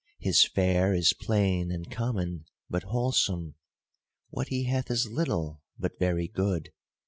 His fare is plain, and common, but wholesome. What he hath is little, but very good.